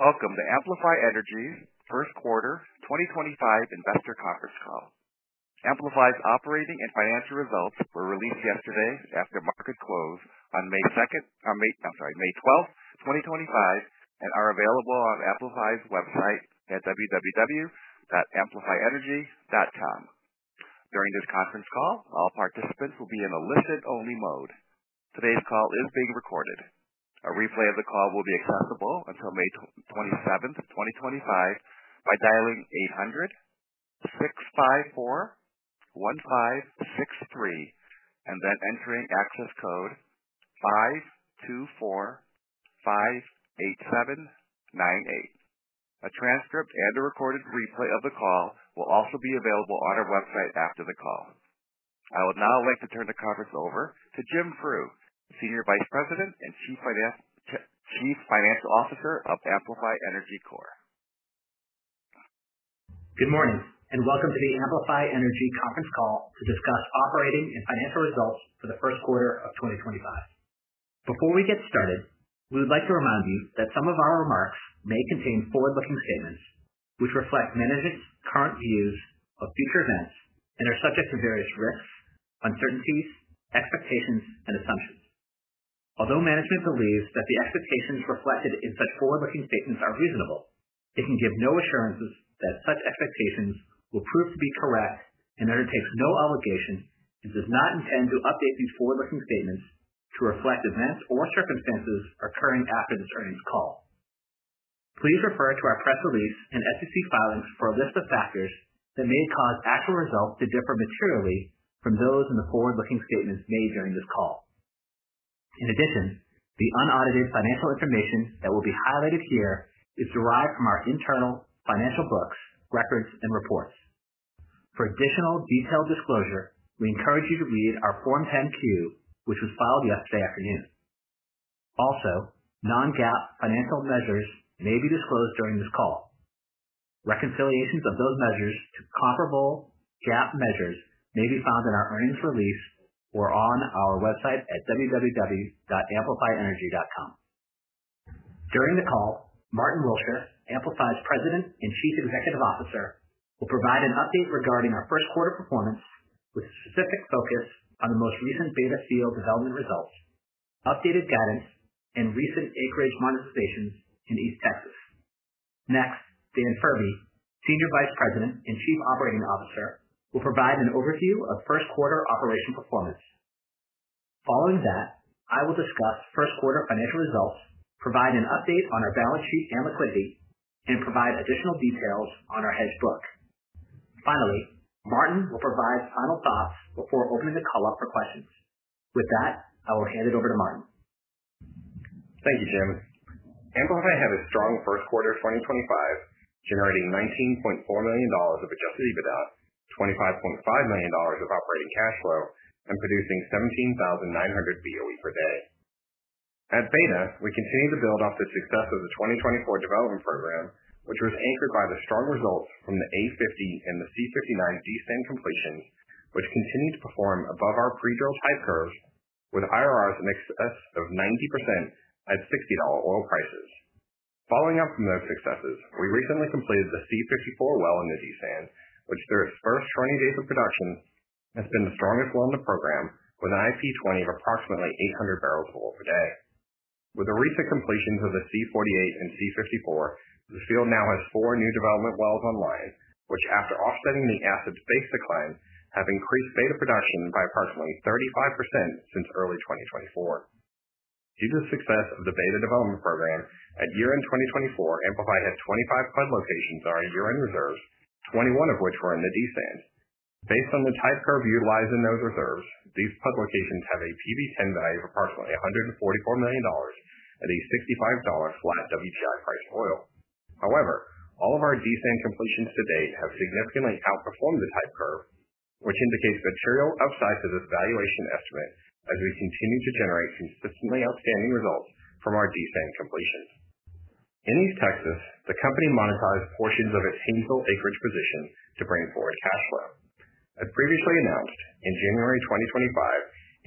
Welcome to Amplify Energy's First Quarter 2025 Investor Conference Call. Amplify's operating and financial results were released yesterday after market close on May 2, I'm sorry, -- May 12, 2025, and are available on Amplify's website at www.amplifyenergy.com. During this conference call, all participants will be in a listen-only mode. Today's call is being recorded. A replay of the call will be accessible until May 27, 2025, by dialing 800-654-1563 and then entering access code 52458798. A transcript and a recorded replay of the call will also be available on our website after the call. I would now like to turn the conference over to Jim Frew, Senior Vice President and Chief Financial Officer of Amplify Energy. Good morning and welcome to the Amplify Energy conference call to discuss operating and financial results for the first quarter of 2025. Before we get started, we would like to remind you that some of our remarks may contain forward-looking statements which reflect management's current views of future events and are subject to various risks, uncertainties, expectations, and assumptions. Although management believes that the expectations reflected in such forward-looking statements are reasonable, it can give no assurances that such expectations will prove to be correct and undertakes no obligation and does not intend to update these forward-looking statements to reflect events or circumstances occurring after this earnings call. Please refer to our press release and SEC filings for a list of factors that may cause actual results to differ materially from those in the forward-looking statements made during this call. In addition, the unaudited financial information that will be highlighted here is derived from our internal financial books, records, and reports. For additional detailed disclosure, we encourage you to read our Form 10-Q, which was filed yesterday afternoon. Also, non-GAAP financial measures may be disclosed during this call. Reconciliations of those measures to comparable GAAP measures may be found in our earnings release or on our website at www.amplifyenergy.com. During the call, Martyn Willsher, Amplify's President and Chief Executive Officer, will provide an update regarding our first quarter performance with specific focus on the most recent Beta field development results, updated guidance, and recent acreage monetization in East Texas. Next, Dan Furbee, Senior Vice President and Chief Operating Officer, will provide an overview of first quarter operational performance. Following that, I will discuss first quarter financial results, provide an update on our balance sheet and liquidity, and provide additional details on our hedge book. Finally, Martyn will provide final thoughts before opening the call up for questions. With that, I will hand it over to Martyn. Thank you, Jim. Amplify had a strong first quarter of 2025, generating $19.4 million of adjusted EBITDA, $25.5 million of operating cash flow, and producing 17,900 BOE per day. At Beta, we continue to build off the success of the 2024 development program, which was anchored by the strong results from the A50 and the C59 D-Sand completions, which continue to perform above our pre-drill type curves, with IRRs in excess of 90% at $60 oil prices. Following up from those successes, we recently completed the C54 well in the D-Sand, which, through its first 20 days of production, has been the strongest well in the program, with an IP20 of approximately 800 bbl of oil per day. With the recent completions of the C48 and C54, the field now has four new development wells online, which, after offsetting the asset's base decline, have increased Beta production by approximately 35% since early 2024. Due to the success of the Beta development program, at year-end 2024, Amplify had 25 PUD locations in our year-end reserves, 21 of which were in the D-Sand. Based on the type curve utilized in those reserves, these PUD locations have a PV-10 value of approximately $144 million at a $65 flat WTI price of oil. However, all of our D-Sand completions to date have significantly outperformed the type curve, which indicates material upside to this valuation estimate as we continue to generate consistently outstanding results from our D-Sand completions. In East Texas, the company monetized portions of its Haynesville acreage position to bring forward cash flow. As previously announced, in January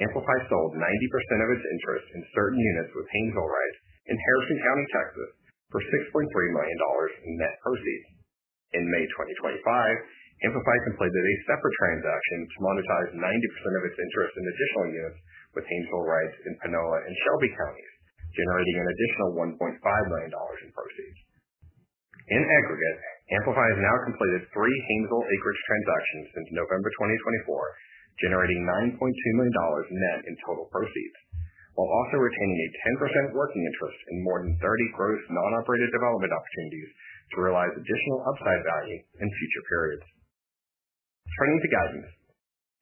2025, Amplify sold 90% of its interest in certain units with Haynesville rights in Harrison County, Texas, for $6.3 million in net proceeds. In May 2025, Amplify completed a separate transaction to monetize 90% of its interest in additional units with Haynesville rights in Panola and Shelby counties, generating an additional $1.5 million in proceeds. In aggregate, Amplify has now completed three Haynesville acreage transactions since November 2024, generating $9.2 million net in total proceeds, while also retaining a 10% working interest in more than 30 gross non-operated development opportunities to realize additional upside value in future periods. Turning to guidance,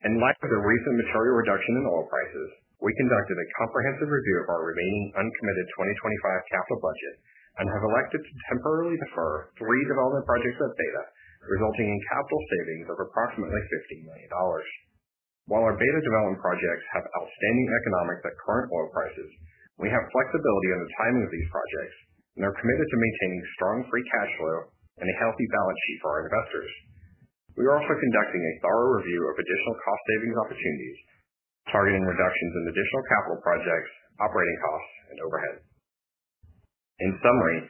in light of the recent material reduction in oil prices, we conducted a comprehensive review of our remaining uncommitted 2025 capital budget and have elected to temporarily defer three development projects at Beta, resulting in capital savings of approximately $15 million. While our Beta development projects have outstanding economics at current oil prices, we have flexibility in the timing of these projects and are committed to maintaining strong free cash flow and a healthy balance sheet for our investors. We are also conducting a thorough review of additional cost savings opportunities, targeting reductions in additional capital projects, operating costs, and overhead. In summary,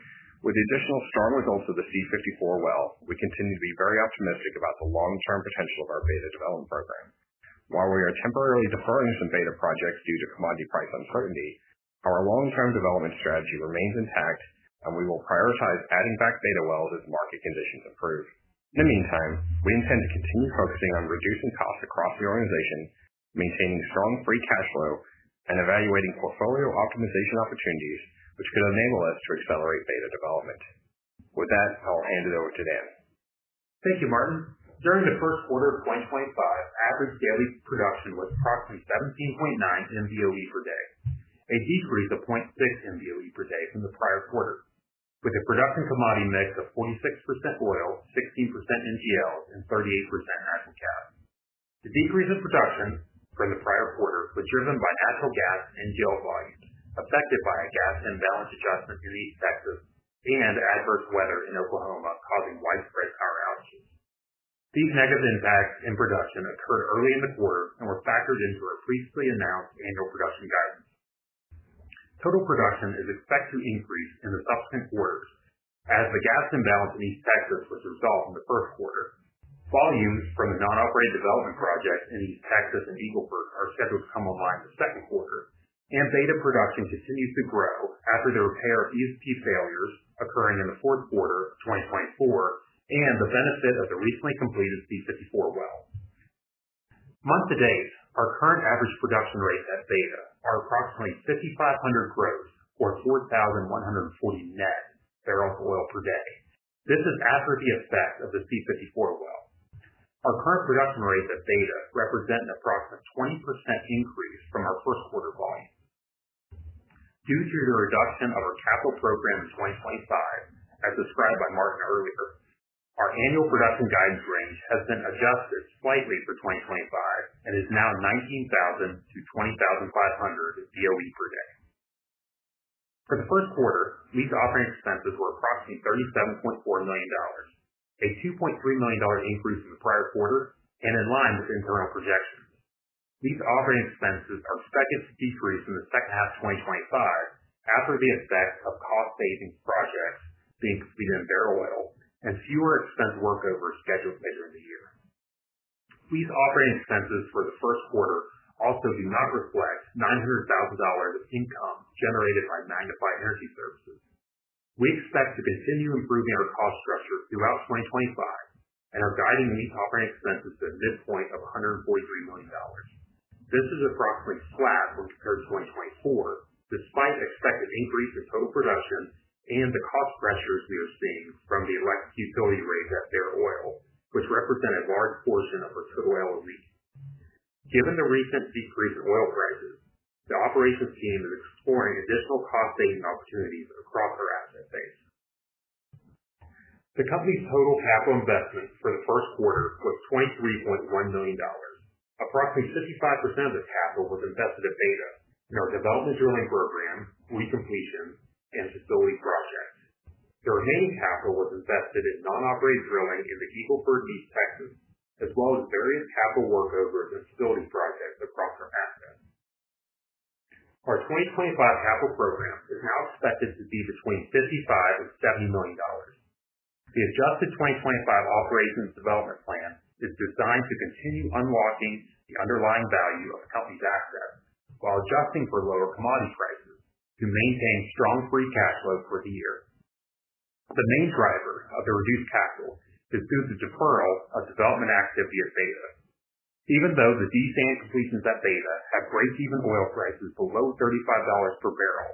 with the additional strong results of the C54 well, we continue to be very optimistic about the long-term potential of our Beta development program. While we are temporarily deferring some Beta projects due to commodity price uncertainty, our long-term development strategy remains intact, and we will prioritize adding back Beta wells as market conditions improve. In the meantime, we intend to continue focusing on reducing costs across the organization, maintaining strong free cash flow, and evaluating portfolio optimization opportunities, which could enable us to accelerate Beta development. With that, I'll hand it over to Dan. Thank you, Martin. During the first quarter of 2025, average daily production was approximately 17.9 MBoe/d, a decrease of 0.6 MBoe/d from the prior quarter, with a production commodity mix of 46% oil, 16% NGLs, and 38% natural gas. The decrease in production from the prior quarter was driven by natural gas NGL volumes affected by a gas imbalance adjustment in East Texas and adverse weather in Oklahoma causing widespread power outages. These negative impacts in production occurred early in the quarter and were factored into our previously announced annual production guidance. Total production is expected to increase in the subsequent quarters as the gas imbalance in East Texas was resolved in the first quarter. Volumes from the non-operated development projects in East Texas and Eagle Ford are scheduled to come online in the second quarter, and Beta production continues to grow after the repair of ESP failures occurring in the fourth quarter of 2024 and the benefit of the recently completed C54 well. Month-to-date, our current average production rates at Beta are approximately 5,500 gross, or 4,140 net barrels of oil per day. This is after the effect of the C54 well. Our current production rates at Beta represent an approximate 20% increase from our first quarter volume. Due to the reduction of our capital program in 2025, as described by Martin earlier, our annual production guidance range has been adjusted slightly for 2025 and is now 19,000-20,500 Boe/d. For the first quarter, lease operating expenses were approximately $37.4 million, a $2.3 million increase from the prior quarter and in line with internal projections. Lease operating expenses are expected to decrease in the second half of 2025 after the effect of cost savings projects being completed in Beta oil and fewer expense workovers scheduled later in the year. Lease operating expenses for the first quarter also do not reflect $900,000 of income generated by Magnify Energy services. We expect to continue improving our cost structure throughout 2025 and are guiding lease operating expenses to a midpoint of $143 million. This is approximately flat when compared to 2024, despite expected increase in total production and the cost pressures we are seeing from the electric utility rate at Beta oil, which represent a large portion of our total oil lease. Given the recent decrease in oil prices, the operations team is exploring additional cost savings opportunities across our asset base. The company's total capital investment for the first quarter was $23.1 million. Approximately 55% of the capital was invested at Beta in our development drilling program, recompletion, and facility projects. The remaining capital was invested in non-operated drilling in the Eagle Ford, East Texas, as well as various capital workovers and facility projects across our assets. Our 2025 capital program is now expected to be between $55 million and $70 million. The adjusted 2025 operations development plan is designed to continue unlocking the underlying value of the company's assets while adjusting for lower commodity prices to maintain strong free cash flow for the year. The main driver of the reduced capital is due to deferral of development activity at Beta. Even though the D-Sand completions at Beta have break-even oil prices below $35 per barrel,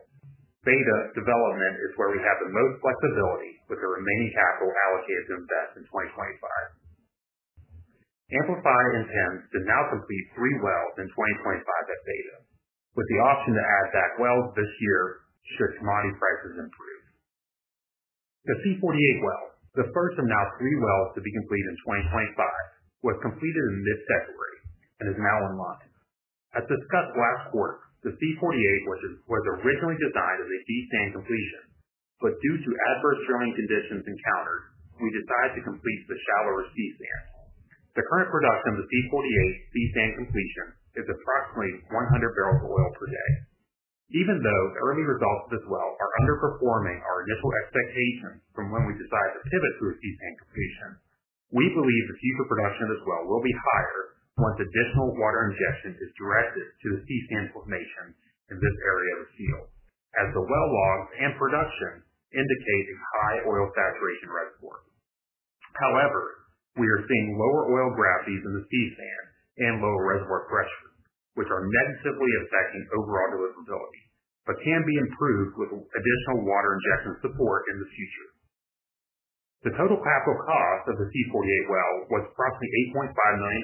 Beta development is where we have the most flexibility with the remaining capital allocated to invest in 2025. Amplify intends to now complete three wells in 2025 at Beta, with the option to add back wells this year should commodity prices improve. The C48 well, the first of now three wells to be completed in 2025, was completed in mid-February and is now online. As discussed last quarter, the C48 was originally designed as a D-Sand completion, but due to adverse drilling conditions encountered, we decided to complete the shallower C-Sand. The current production of the C48 D-Sand completion is approximately 100 bbl/d. Even though the early results of this well are underperforming our initial expectations from when we decided to pivot to a C-Sand completion, we believe the future production of this well will be higher once additional water injection is directed to the C-Sand formation in this area of the field, as the well logs and production indicate a high oil saturation reservoir. However, we are seeing lower oil gravities in the C-Sand and lower reservoir pressures, which are negatively affecting overall deliverability, but can be improved with additional water injection support in the future. The total capital cost of the C48 well was approximately $8.5 million,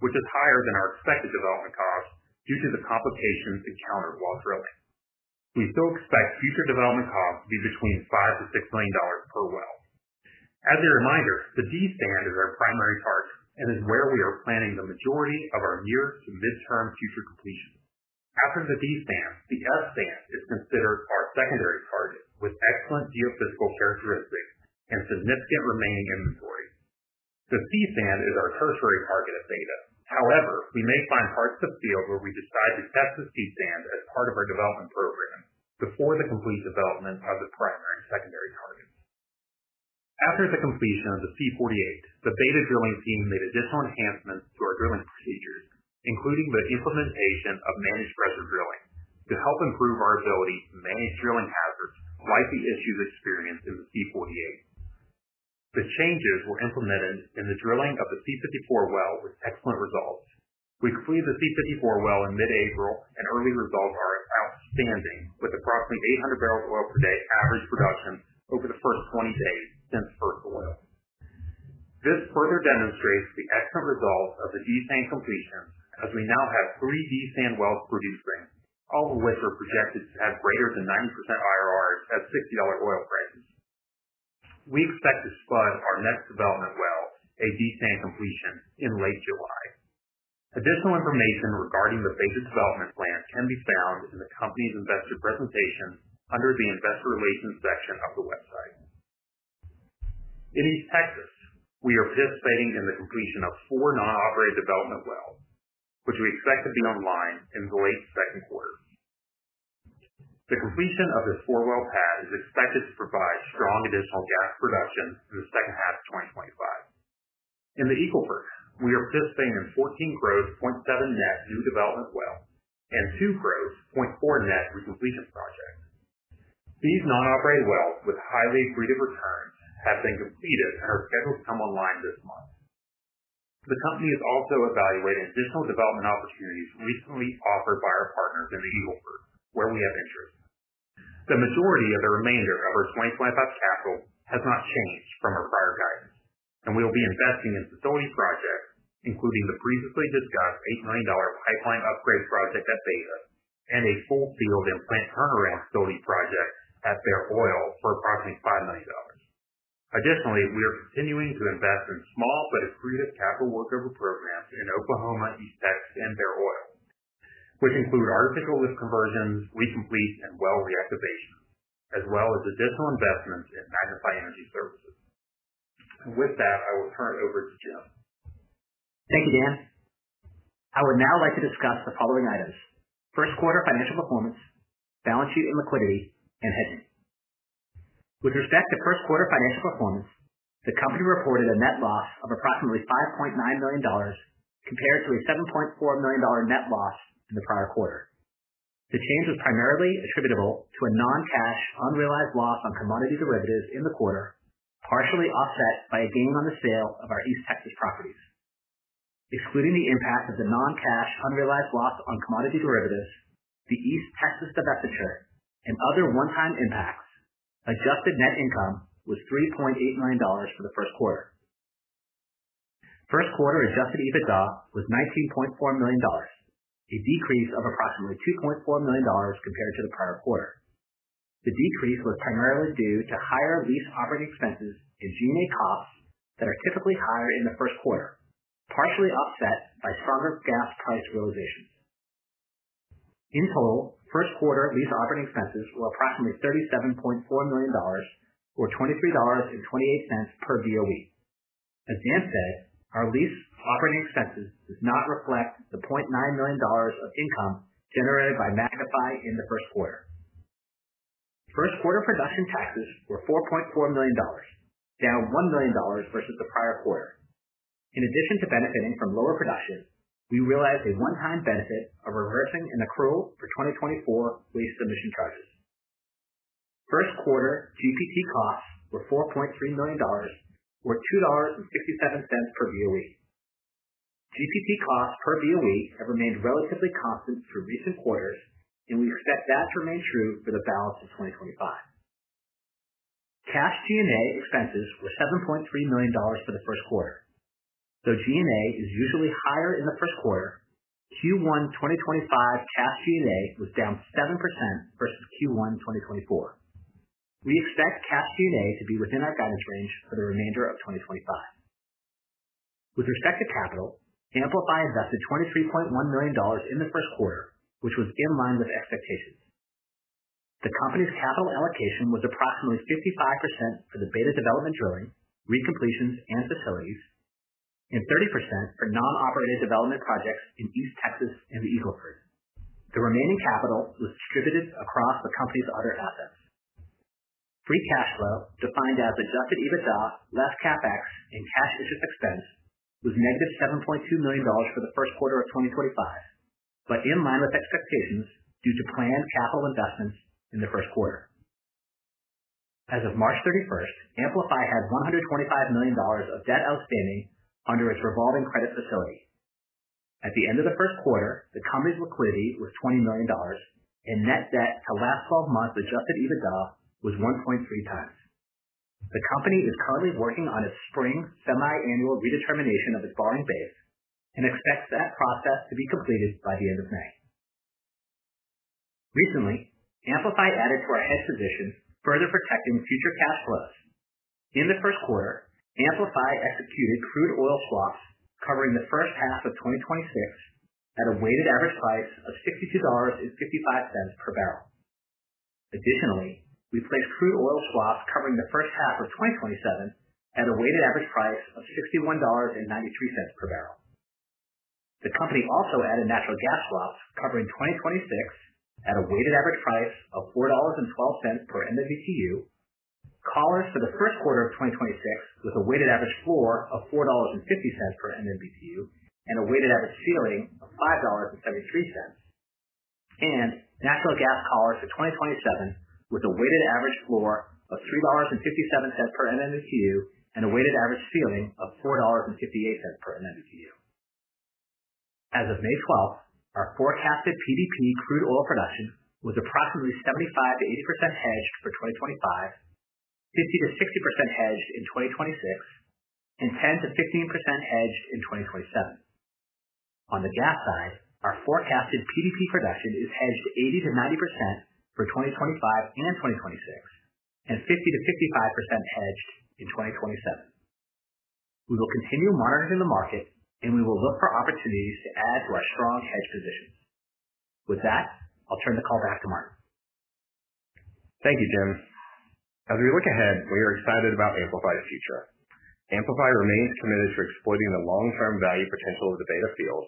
which is higher than our expected development cost due to the complications encountered while drilling. We still expect future development costs to be between $5 million-$6 million per well. As a reminder, the D-Sand is our primary target and is where we are planning the majority of our near to midterm future completion. After the D-Sand, the F-Sand is considered our secondary target with excellent geophysical characteristics and significant remaining inventory. The C-Sand is our tertiary target at Beta. However, we may find parts of the field where we decide to test the C-Sand as part of our development program before the complete development of the primary and secondary targets. After the completion of the C48, the Beta drilling team made additional enhancements to our drilling procedures, including the implementation of managed pressure drilling to help improve our ability to manage drilling hazards like the issues experienced in the C48. The changes were implemented in the drilling of the C54 well with excellent results. We completed the C54 well in mid-April and early results are outstanding, with approximately 800 bbl/d average production over the first 20 days since first oil. This further demonstrates the excellent results of the D-Sand completions, as we now have three D-Sand wells producing, all of which are projected to have greater than 90% IRRs at $60 oil prices. We expect to spud our next development well, a D-Sand completion, in late July. Additional information regarding the Beta development plan can be found in the company's investor presentation under the investor relations section of the website. In East Texas, we are participating in the completion of four non-operated development wells, which we expect to be online in the late second quarter. The completion of this four-well pad is expected to provide strong additional gas production in the second half of 2025. In the Eagle Ford, we are participating in 14 gross, 0.7 net new development wells and two gross, 0.4 net recompletion projects. These non-operated wells with highly accretive returns have been completed and are scheduled to come online this month. The company is also evaluating additional development opportunities recently offered by our partners in the Eagle Ford, where we have interest. The majority of the remainder of our 2025 capital has not changed from our prior guidance, and we will be investing in facility projects, including the previously discussed $8 million pipeline upgrade project at Beta and a full-field plant turnaround facility project at Bear Oil for approximately $5 million. Additionally, we are continuing to invest in small but accretive capital workover programs in Oklahoma, East Texas, and Bear Oil, which include artificial lift conversions, recomplete, and well reactivation, as well as additional investments in Magnify Energy services. With that, I will turn it over to Jim. Thank you, Dan. I would now like to discuss the following items: first quarter financial performance, balance sheet and liquidity, and hedging. With respect to first quarter financial performance, the company reported a net loss of approximately $5.9 million compared to a $7.4 million net loss in the prior quarter. The change was primarily attributable to a non-cash unrealized loss on commodity derivatives in the quarter, partially offset by a gain on the sale of our East Texas properties. Excluding the impact of the non-cash unrealized loss on commodity derivatives, the East Texas divestiture and other one-time impacts, adjusted net income was $3.8 million for the first quarter. First quarter adjusted EBITDA was $19.4 million, a decrease of approximately $2.4 million compared to the prior quarter. The decrease was primarily due to higher lease operating expenses and G&A costs that are typically higher in the first quarter, partially offset by stronger gas price realizations. In total, first quarter lease operating expenses were approximately $37.4 million, or $23.28 per Boe. As Dan said, our lease operating expenses do not reflect the $0.9 million of income generated by Magnify in the first quarter. First quarter production taxes were $4.4 million, down $1 million versus the prior quarter. In addition to benefiting from lower production, we realized a one-time benefit of reversing an accrual for 2024 waste submission charges. First quarter GPT costs were $4.3 million, or $2.67 per Boe. GPT costs per Boe have remained relatively constant through recent quarters, and we expect that to remain true for the balance of 2025. Cash G&A expenses were $7.3 million for the first quarter. Though G&A is usually higher in the first quarter, Q1 2025 cash G&A was down 7% versus Q1 2024. We expect cash G&A to be within our guidance range for the remainder of 2025. With respect to capital, Amplify invested $23.1 million in the first quarter, which was in line with expectations. The company's capital allocation was approximately 55% for the Beta development drilling, recompletions, and facilities, and 30% for non-operated development projects in East Texas and the Eagle Ford. The remaining capital was distributed across the company's other assets. Free cash flow, defined as adjusted EBITDA, less CapEx, and cash interest expense, was negative $7.2 million for the first quarter of 2025, but in line with expectations due to planned capital investments in the first quarter. As of March 31, Amplify had $125 million of debt outstanding under its revolving credit facility. At the end of the first quarter, the company's liquidity was $20 million, and net debt to last 12 months adjusted EBITDA was 1.3x. The company is currently working on its spring semiannual redetermination of its borrowing base and expects that process to be completed by the end of May. Recently, Amplify added to our hedge position, further protecting future cash flows. In the first quarter, Amplify executed crude oil swaps covering the first half of 2026 at a weighted average price of $62.55 per barrel. Additionally, we placed crude oil swaps covering the first half of 2027 at a weighted average price of $61.93 per barrel. The company also added natural gas swaps covering 2026 at a weighted average price of $4.12 per MMBTu, callers for the first quarter of 2026 with a weighted average floor of $4.50 per MMBTu and a weighted average ceiling of $5.73, and natural gas callers for 2027 with a weighted average floor of $3.57 per MMBTu and a weighted average ceiling of $4.58 per MMBTu. As of May 12th, our forecasted PDP crude oil production was approximately 75%-80% hedged for 2025, 50%-60% hedged in 2026, and 10%-15% hedged in 2027. On the gas side, our forecasted PDP production is hedged 80%-90% for 2025 and 2026, and 50%-55% hedged in 2027. We will continue monitoring the market, and we will look for opportunities to add to our strong hedge positions. With that, I'll turn the call back to Martyn. Thank you, Jim. As we look ahead, we are excited about Amplify's future. Amplify remains committed to exploiting the long-term value potential of the Beta field,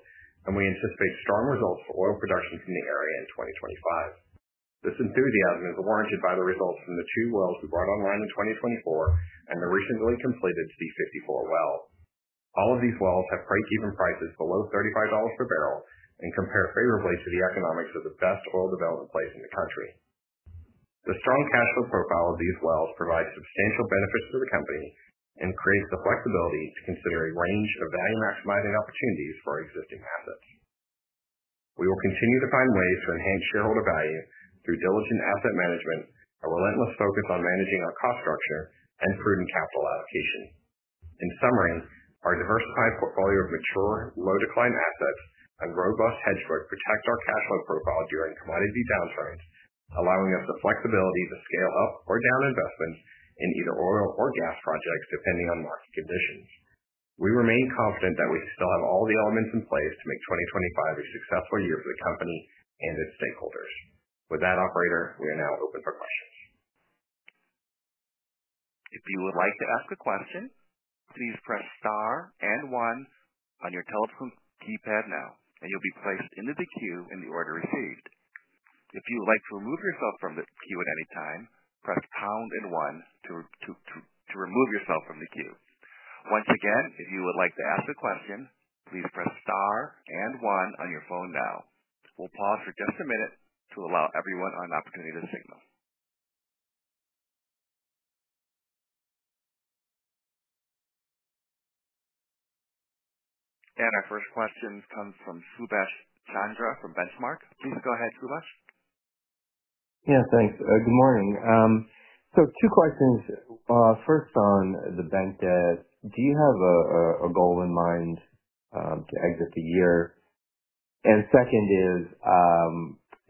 and we anticipate strong results for oil production from the area in 2025. This enthusiasm is warranted by the results from the two wells we brought online in 2024 and the recently completed C54 well. All of these wells have break-even prices below $35 per barrel and compare favorably to the economics of the best oil development plays in the country. The strong cash flow profile of these wells provides substantial benefits to the company and creates the flexibility to consider a range of value maximizing opportunities for our existing assets. We will continue to find ways to enhance shareholder value through diligent asset management, a relentless focus on managing our cost structure, and prudent capital allocation. In summary, our diversified portfolio of mature, low-decline assets and robust hedge funds protect our cash flow profile during commodity downturns, allowing us the flexibility to scale up or down investments in either oil or gas projects depending on market conditions. We remain confident that we still have all the elements in place to make 2025 a successful year for the company and its stakeholders. With that, Operator, we are now open for questions. If you would like to ask a question, please press star and one on your telephone keypad now, and you'll be placed into the queue in the order received. If you would like to remove yourself from the queue at any time, press pound and one to remove yourself from the queue. Once again, if you would like to ask a question, please press star and one on your phone now. We'll pause for just a minute to allow everyone an opportunity to signal. Our first question comes from Subash Chandra from Benchmark. Please go ahead, Subash. Yes, thanks. Good morning. Two questions. First, on the bank debt, do you have a goal in mind to exit the year? Second is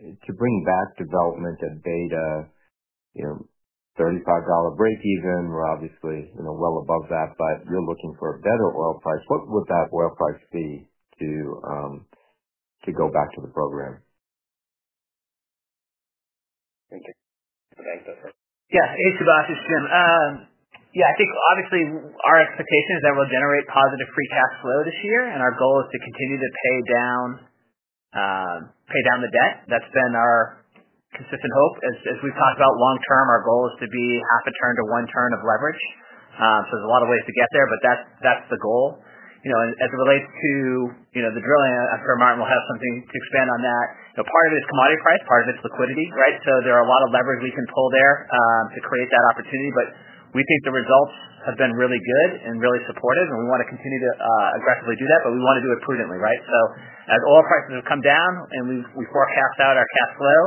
to bring back development at Beta, $35 break-even. We're obviously well above that, but you're looking for a better oil price. What would that oil price be to go back to the program? Thank you. Yeah, hey, Subash. It's Jim. Yeah, I think obviously our expectation is that we'll generate positive free cash flow this year, and our goal is to continue to pay down the debt. That's been our consistent hope. As we've talked about long-term, our goal is to be 0.5x to 1x of leverage. There are a lot of ways to get there, but that's the goal. As it relates to the drilling, I'm sure Martyn will have something to expand on that. Part of it is commodity price, part of it is liquidity, right? There are a lot of levers we can pull there to create that opportunity. We think the results have been really good and really supportive, and we want to continue to aggressively do that, but we want to do it prudently, right? As oil prices have come down and we forecast out our cash flow,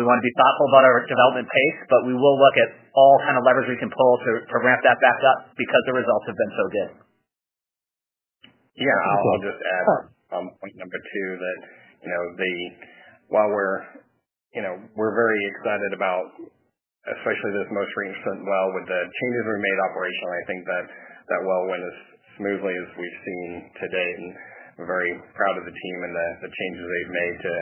we want to be thoughtful about our development pace, but we will look at all kinds of levers we can pull to ramp that back up because the results have been so good. Yeah, I'll just add on point number two that while we're very excited about especially this most recent well with the changes we made operationally, I think that that well went as smoothly as we've seen to date. I'm very proud of the team and the changes they've made to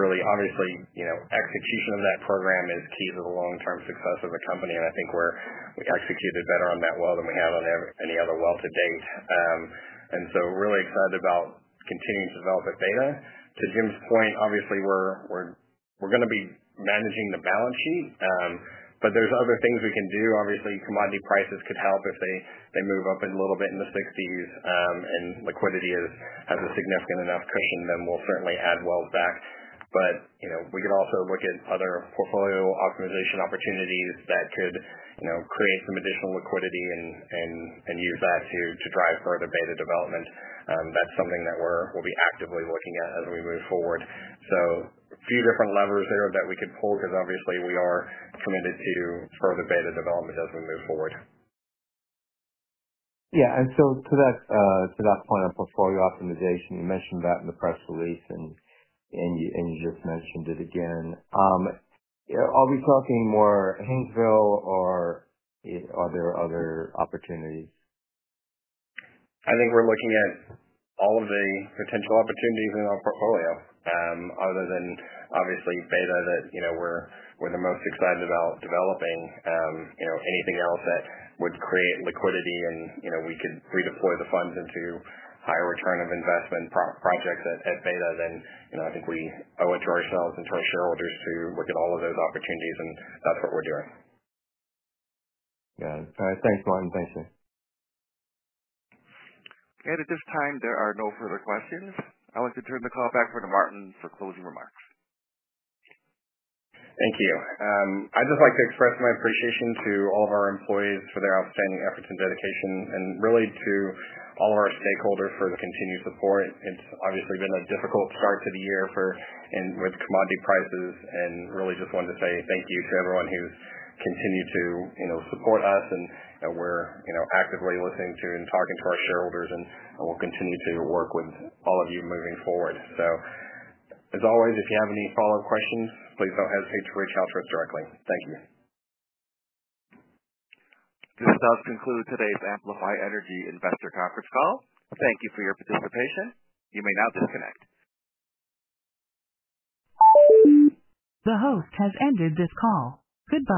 really, obviously, execution of that program is key to the long-term success of the company. I think we executed better on that well than we have on any other well to date. I'm really excited about continuing to develop at Beta. To Jim's point, obviously, we're going to be managing the balance sheet, but there are other things we can do. Obviously, commodity prices could help if they move up a little bit in the $60s, and liquidity has a significant enough cushion, then we'll certainly add wells back. We could also look at other portfolio optimization opportunities that could create some additional liquidity and use that to drive further Beta development. That is something that we'll be actively looking at as we move forward. A few different levers there that we could pull because obviously we are committed to further Beta development as we move forward. Yeah. And to that point of portfolio optimization, you mentioned that in the press release, and you just mentioned it again. Are we talking more Haynesville, or are there other opportunities? I think we're looking at all of the potential opportunities in our portfolio, other than obviously Beta that we're the most excited about developing. Anything else that would create liquidity and we could redeploy the funds into higher return of investment projects at Beta, then I think we owe it to ourselves and to our shareholders to look at all of those opportunities, and that's what we're doing. Got it. All right. Thanks, Martyn. Thanks, Jim. At this time, there are no further questions. I'd like to turn the call back over to Martyn for closing remarks. Thank you. I'd just like to express my appreciation to all of our employees for their outstanding efforts and dedication, and really to all of our stakeholders for the continued support. It's obviously been a difficult start to the year with commodity prices, and really just wanted to say thank you to everyone who's continued to support us. We're actively listening to and talking to our shareholders, and we'll continue to work with all of you moving forward. As always, if you have any follow-up questions, please don't hesitate to reach out to us directly. Thank you. This does conclude today's Amplify Energy investor conference call. Thank you for your participation. You may now disconnect.